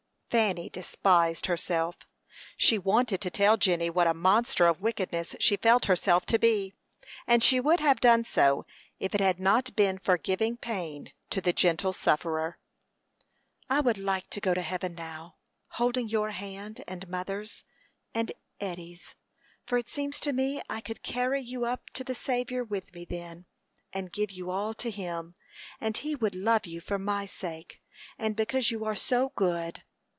Fanny despised herself. She wanted to tell Jenny what a monster of wickedness she felt herself to be, and she would have done so if it had not been for giving pain to the gentle sufferer. "I would like to go to heaven now, holding your hand, and mother's, and Eddy's; for it seems to me I could carry you up to the Saviour with me then, and give you all to him; and he would love you for my sake, and because you are so good.